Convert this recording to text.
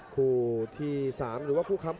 คู่ที่๓หรือว่าคู่ค้ำ